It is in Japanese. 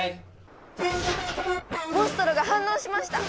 モンストロが反応しました！